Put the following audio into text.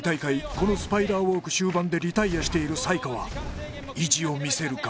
このスパイダーウォーク終盤でリタイアしている才川意地を見せるか